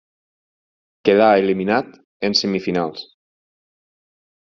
Quedà eliminat en semifinals.